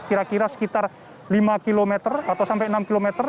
kira kira sekitar lima kilometer atau sampai enam kilometer